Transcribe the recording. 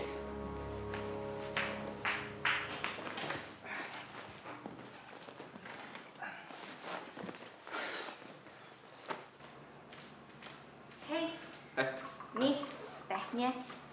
hai ini tehnya